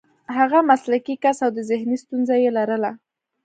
هغه مسلکي کس و او ذهني ستونزه یې لرله